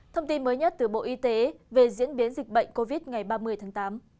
thông tin mới nhất từ bộ y tế về diễn biến dịch bệnh covid ngày ba mươi tháng tám